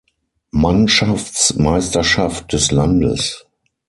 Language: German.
Mannschaftsmeisterschaft des Landes.